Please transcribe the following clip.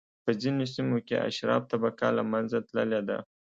په ځینو سیمو کې اشراف طبقه له منځه تللې ده.